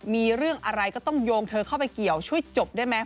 มีเรื่องอะไรก็ต้องโยงเธอเข้าไปเกี่ยวช่วยจบได้ไหม